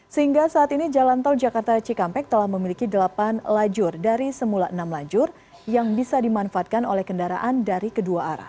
sehingga saat ini jalan tol jakarta cikampek telah memiliki delapan lajur dari semula enam lajur yang bisa dimanfaatkan oleh kendaraan dari kedua arah